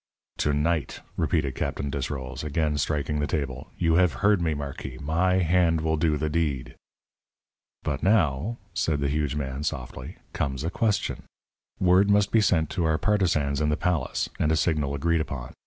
"To night," repeated Captain Desrolles, again striking the table. "You have heard me, marquis; my hand will do the deed." "But now," said the huge man, softly, "comes a question. Word must be sent to our partisans in the palace, and a signal agreed upon.